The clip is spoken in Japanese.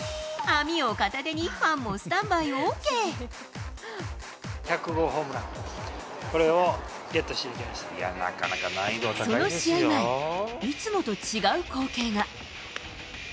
網を片手にファンもスタンバ１００号ホームラン、その試合前、いつもと違う光景が。